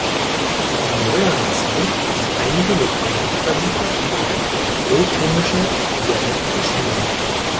In neuerer Zeit sind einige lokale Wörterbücher über lothringische Dialekte erschienen.